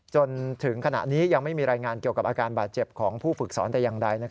จนถึงขณะนี้ยังไม่มีรายงานเกี่ยวกับอาการบาดเจ็บของผู้ฝึกสอนแต่อย่างใด